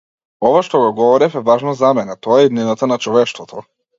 Ова што го говорев е важно за мене - тоа е иднината на човештвото.